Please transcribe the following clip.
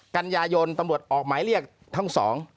กันยายนตำรวจออกหมายเรียกทั้งสอง